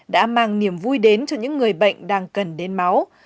đã mang niềm vui đến cho những người bệnh đang cần đến máu